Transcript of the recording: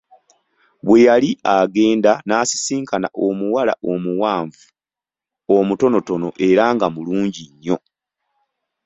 Bwe yali agenda n'asisinkana omuwala omuwanvu, omutonotono era nga mulungi nnyo.